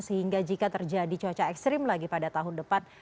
sehingga jika terjadi cuaca ekstrim lagi pada tahun depan